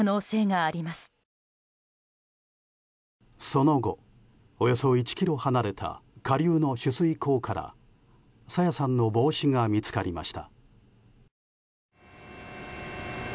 その後、およそ１ｋｍ離れた下流の取水口から朝芽さんの帽子が見つかりました。